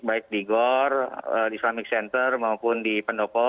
baik di gor islamic center maupun di pendopo